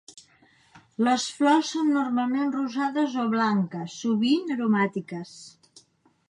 Les flors són normalment rosades o blanques sovint aromàtiques.